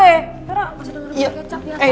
yara kasih dengerin gue kecak ya